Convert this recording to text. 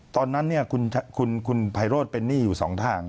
ตอนนั้นเนี่ยคุณไพโรธเป็นหนี้อยู่๒ทาง